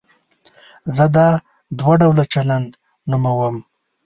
زه دا دوه ډوله چلند نوموم.